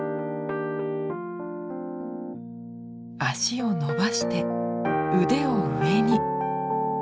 脚を伸ばして腕を上に。